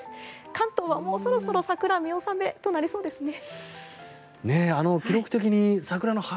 関東はもうそろそろ桜、見納めとなりそうですね。